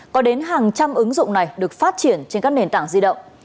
có đến hàng trăm ứng dụng này được phát triển trên các nền tảng di động